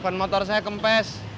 ban motor saya kempes